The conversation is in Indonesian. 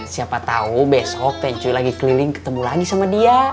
siapa tau besok teh cuy lagi keliling ketemu lagi sama dia